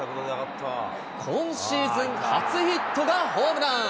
今シーズン初ヒットがホームラン。